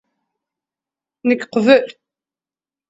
Nekk qeble?.